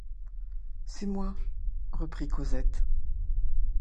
C'est moi, reprit Cosette.